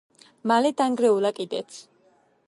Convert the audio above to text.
მალე დანგრეულა კიდეც.